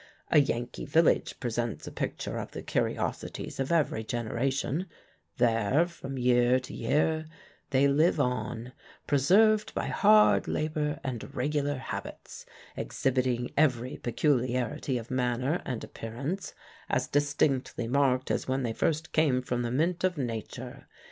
A Yankee village presents a picture of the curiosities of every generation: there, from year to year, they live on, preserved by hard labor and regular habits, exhibiting every peculiarity of manner and appearance, as distinctly marked as when they first came from the mint of nature.